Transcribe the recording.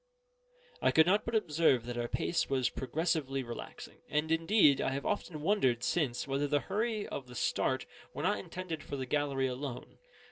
I could not but observe that our pace was progressively relaxing; and indeed I have often wondered since whether the hurry of the start were not intended for the gallery alone.